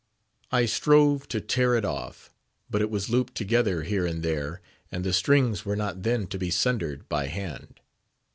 I strove to tear it off; but it was looped together here and there, and the strings were not then to be sundered by hand.